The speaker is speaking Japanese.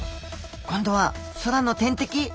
今度は空の天敵